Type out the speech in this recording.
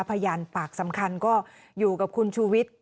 พยานปากสำคัญก็อยู่กับคุณชูวิทย์